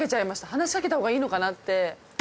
話しかけた方がいいのかなって。